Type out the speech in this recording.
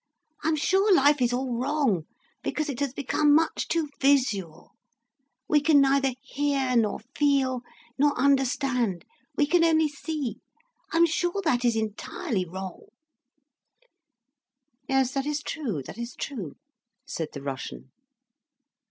I'm sure life is all wrong because it has become much too visual—we can neither hear nor feel nor understand, we can only see. I'm sure that is entirely wrong." "Yes, that is true, that is true," said the Russian.